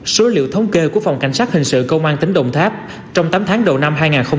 số liệu thống kê của phòng cảnh sát hình sự công an tỉnh đồng tháp trong tám tháng đầu năm hai nghìn hai mươi ba